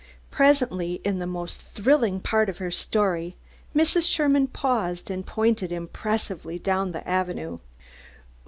Presently, in the most thrilling part of her story, Mrs. Sherman paused and pointed impressively down the avenue.